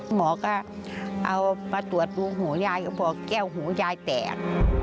หมอก็เอามาตรวจดูหูยายก็พอแก้วหูยายแตก